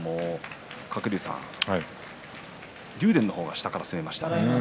鶴竜さん、竜電は下から攻めました。